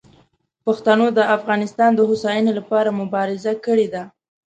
پښتنو د افغانستان د هوساینې لپاره مبارزه کړې ده.